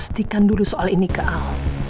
pastikan dulu soal ini ke ahok